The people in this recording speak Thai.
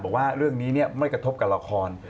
บอกว่าเรื่องนี้ไม่กระทบกับละคร